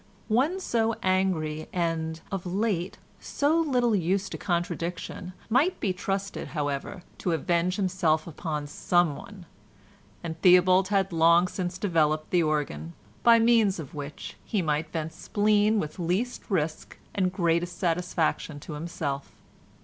One so angry and, of late, so little used to contradiction might be trusted, however, to avenge himself upon someone, and Theobald had long since developed the organ, by means of which he might vent spleen with least risk and greatest satisfaction to himself.